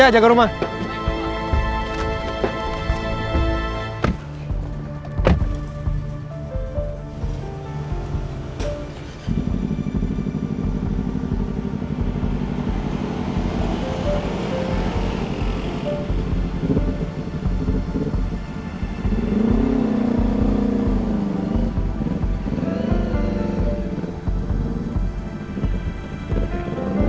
saya kebetulan lagi lewat